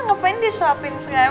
ngapain disuapin sekarang